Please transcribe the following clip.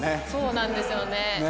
そうなんですよね。